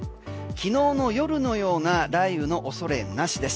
昨日の夜のような雷雨の恐れなしです。